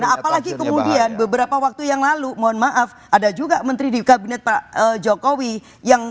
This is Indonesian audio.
apalagi kemudian beberapa waktu yang lalu mohon maaf ada juga menteri di kabinet pak jokowi